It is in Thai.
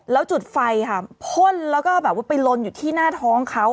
แล้วจุดไฟค่ะพ่นแล้วก็แบบว่าไปลนอยู่ที่หน้าท้องเขา